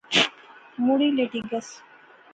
مڑی لیٹی گیس